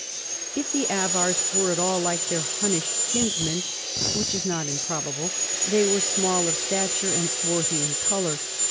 If the Avars were at all like their Hunnish kins men (which is not improbable) they were small of stature, and swarthy in color.